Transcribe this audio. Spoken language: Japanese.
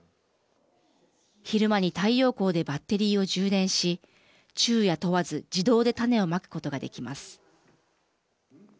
昼間に太陽光でバッテリーを充電し昼夜問わず自動で種をまくことができます。